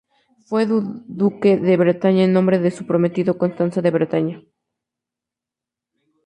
Fue duque de Bretaña en nombre de su prometida Constanza de Bretaña.